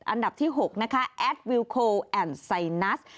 อันดับที่๖แอดวิลโคลและไซนัส